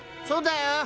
そうだよ。